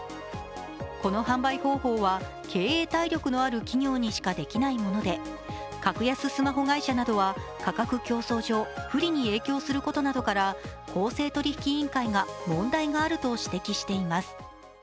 この販売方法は経営体力のある企業にしかできないもので格安スマホ会社などは価格競争上、不利に影響することなどから公正取引委員会が問題があると指摘しています。